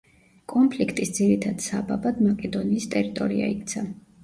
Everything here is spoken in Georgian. კონფლიქტის ძირითად საბაბად მაკედონიის ტერიტორია იქცა.